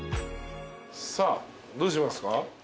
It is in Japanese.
さあどうしますか？